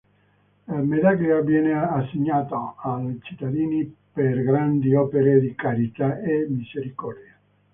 La medaglia viene assegnata ai cittadini per grandi opere di carità e misericordia.